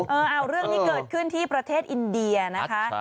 เอาเรื่องที่เกิดขึ้นที่ประเทศอินเดียนะคะ